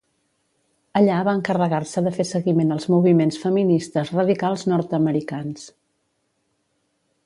Allà va encarregar-se de fer seguiment als moviments feministes radicals nord-americans.